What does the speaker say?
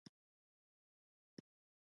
په حجرو کې خلک راټولیږي.